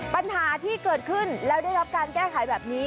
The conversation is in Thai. ปัญหาที่เกิดขึ้นแล้วได้รับการแก้ไขแบบนี้